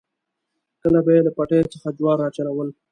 کله به یې له پټیو څخه جوار راچلول.